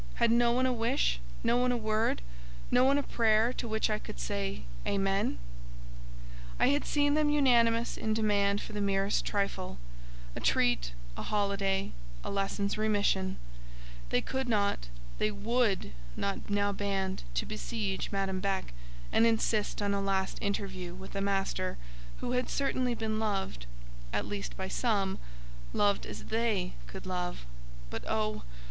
Had no one a wish, no one a word, no one a prayer to which I could say—Amen? I had seen them unanimous in demand for the merest trifle—a treat, a holiday, a lesson's remission; they could not, they would not now band to besiege Madame Beck, and insist on a last interview with a Master who had certainly been loved, at least by some—loved as they could love—but, oh!